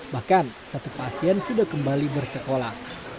bahkan satu pasien sudah kembali bersekolah